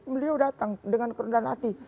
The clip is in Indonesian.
beliau datang dengan kerundan hati